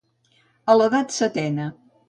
A l'edat setena.